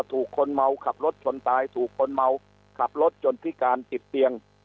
คนเมาขับรถชนตายถูกคนเมาขับรถจนพิการติดเตียง